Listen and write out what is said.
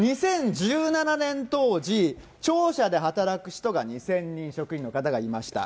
２０１７年当時、庁舎で働く人が２０００人、職員の方がいました。